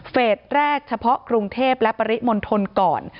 แรกเฉพาะกรุงเทพและปริมณฑลก่อน